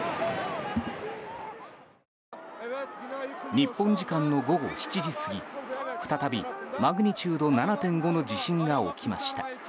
日本時間の午後７時過ぎ再びマグニチュード７．５の地震が起きました。